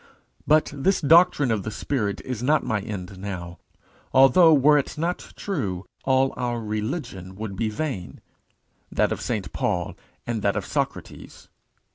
But this doctrine of the Spirit is not my end now, although, were it not true, all our religion would be vain, that of St Paul and that of Socrates.